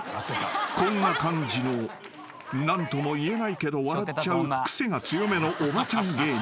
［こんな感じの何ともいえないけど笑っちゃう癖が強めのおばちゃん芸人］